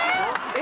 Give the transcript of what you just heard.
え！